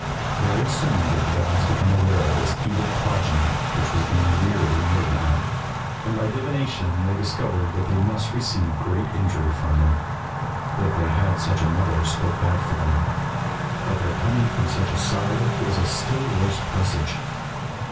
Very soon did the gods become aware of this evil progeny which was being reared in Jotunheim, and by divination they discovered that they must receive great injury from them. That they had such a mother spoke bad for them, but their coming of such a sire was a still worse presage.